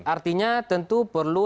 artinya tentu perlu